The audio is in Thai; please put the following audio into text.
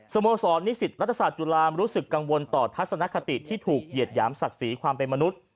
โมสรนิสิตรัฐศาสตุลามรู้สึกกังวลต่อทัศนคติที่ถูกเหยียดหยามศักดิ์ศรีความเป็นมนุษย์